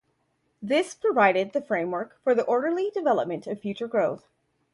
This provided the framework for the orderly development of future growth.